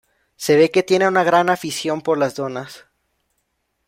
Se ve que tiene una gran afición por las donas.